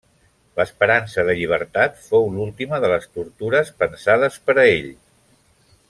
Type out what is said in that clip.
L'esperança de llibertat fou l'última de les tortures pensades per a ell.